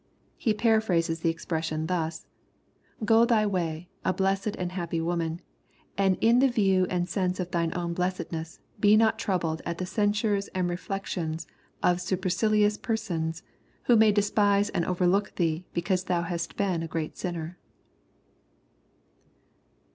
He paraphrases the expression thus :" Go thy way, a blessed and happy woman, and in the view and sense of ^ne own blessedness, be not troubled at the censures and reflections of supercilious persons, who may despise and overlook thee because thou hast been a great amner."